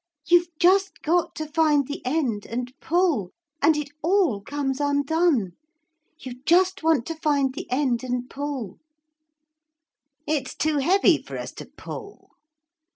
You've just got to find the end and pull, and it all comes undone. You just want to find the end and pull.' 'It's too heavy for us to pull.'